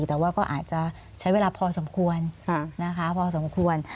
แต่ว่าก็อาจจะใช้เวลาพอสมควร